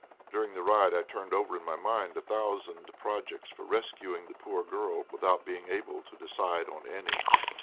During the ride I turned over in my mind a thousand projects for rescuing the poor girl without being able to decide on any.